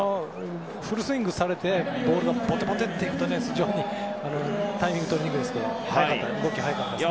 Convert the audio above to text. フルスイングされてボテボテという当たりで非常にタイミングがとりにくいんですけど動きが速かったですね。